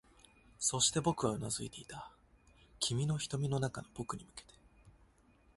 そして、僕はうなずいていた、君の瞳の中の僕に向けて